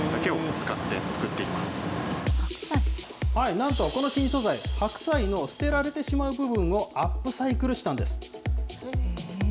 なんと、この新素材、白菜の捨てられてしまう部分をアップサイクルしたんです。